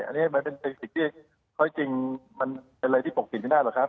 อันนี้มันเป็นสิ่งที่ข้อจริงมันเป็นอะไรที่ปกปิดไม่ได้หรอกครับ